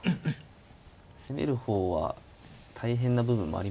攻める方は大変な部分もありますよね。